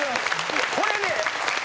これね